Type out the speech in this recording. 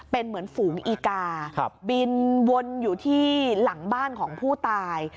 เป็นเหมือนฝูงอีกาบินวนอยู่ที่หลังบ้านของผู้ตาย